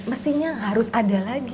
mestinya harus ada lagi